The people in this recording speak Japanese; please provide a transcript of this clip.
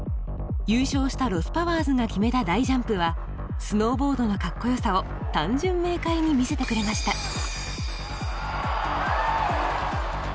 優勝したロス・パワーズが決めた大ジャンプはスノーボードのかっこよさを単純明快に見せてくれました。